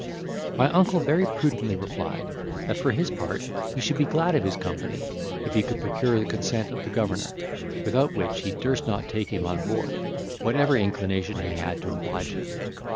My uncle very prudently replied, that for his part he should be glad of his company, if he could procure the consent of the governor, without which he durst not take him on board, whatever inclination he had to oblige him.